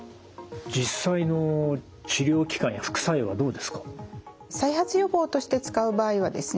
実際の治療期間や副作用はどうですか？